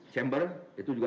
chamber itu juga